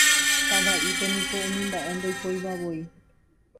Tavaʼípe niko umi mbaʼe ndoikoivavoi.